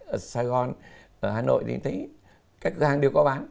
ở sài gòn ở hà nội thì thấy các cửa hàng đều có bán